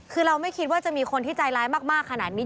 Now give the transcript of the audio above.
คือเราไม่คิดว่าจะมีคนที่ใจร้ายมากขนาดนี้